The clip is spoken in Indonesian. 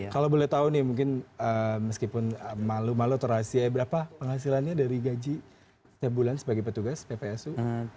kalau boleh tahu nih mungkin meskipun malu malu atau rahasianya berapa penghasilannya dari gaji setiap bulan sebagai petugas ppsu